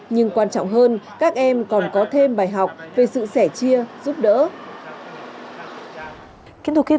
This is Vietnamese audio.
nhưng quan trọng hơn các em còn có thêm bài học về sự sẻ chia giúp đỡ